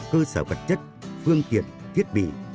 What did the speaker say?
cơ sở vật chất phương tiện thiết bị